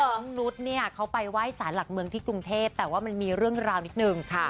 นุษย์เนี่ยเขาไปไหว้สารหลักเมืองที่กรุงเทพแต่ว่ามันมีเรื่องราวนิดนึงค่ะ